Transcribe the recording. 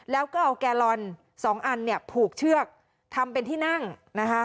แล้วก็เอาแกลลอนสองอันเนี่ยผูกเชือกทำเป็นที่นั่งนะคะ